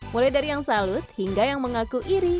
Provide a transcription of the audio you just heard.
mulai dari yang salut hingga yang mengaku iri